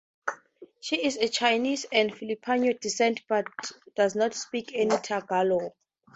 She is of Chinese and Filipino descent but does not speak any Tagalog.